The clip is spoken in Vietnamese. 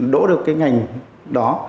đỗ được cái ngành đó